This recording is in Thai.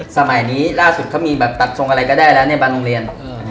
อ๋อสมัยนี้ล่ะสุดถ้ามีตัดทรงอะไรก็ได้แล้วในบันโรงเรียน